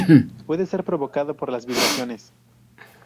Puede ser provocado por las vibraciones.